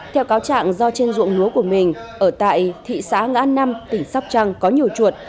theo cáo trạng do trên ruộng lúa của mình ở tại thị xã ngã năm tỉnh sóc trăng có nhiều chuột